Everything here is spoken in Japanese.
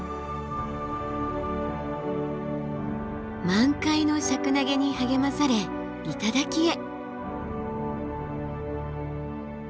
満開のシャクナゲに励まされ頂へ。